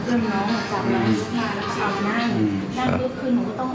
เอาปรากฏแบบนี้จมเป็นยอดพวกน้องโดนหน้า